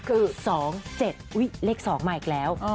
อุ๊ยเลข๒มาอีกแล้ว